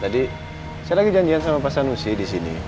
tadi saya lagi janjian sama pak sanusi disini